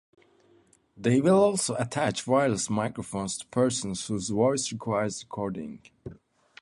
They will also attach wireless microphones to persons whose voice requires recording.